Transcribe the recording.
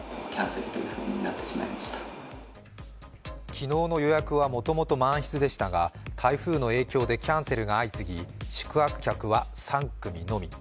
昨日の予約はもともと満室でしたが台風の影響でキャンセルが相次ぎ宿泊客は３組のみ。